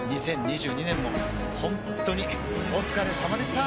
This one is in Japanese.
２０２２年もほんっとにお疲れさまでした！